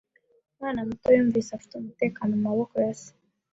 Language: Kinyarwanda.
Umwana muto yumvise afite umutekano mumaboko ya se.